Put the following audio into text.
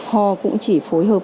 họ cũng chỉ phối hợp